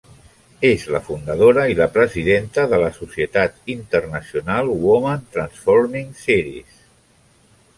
És la fundadora i la presidenta de la societat internacional Women Transforming Cities.